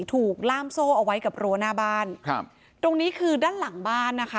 ถูกล่ามโซ่เอาไว้กับรั้วหน้าบ้านครับตรงนี้คือด้านหลังบ้านนะคะ